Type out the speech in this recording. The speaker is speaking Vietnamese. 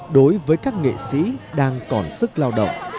đối với các nghệ sĩ đang còn sức lao động